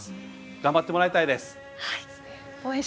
頑張ってもらいたいです。